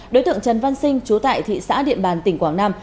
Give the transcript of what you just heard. đối tượng trần văn sinh trú tại thị xã điện bàn tỉnh quảng nam